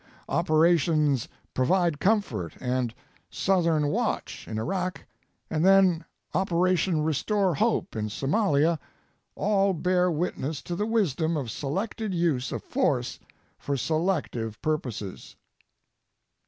Operations Provide Comfort and Southern Watch in Iraq and then Operation Restore Hope in Somalia all bear witness to the wisdom of selected use of force for selective purposes.